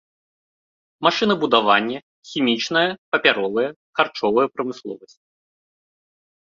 Машынабудаванне, хімічная, папяровая, харчовая прамысловасць.